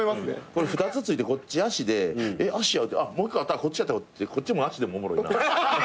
これ２つついてこっち足で「えっ足や」「もう１個あった」ってこっちも足でもおもろいな。